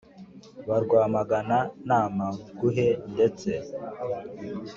Ba rwamagana na mpanguhe ndetse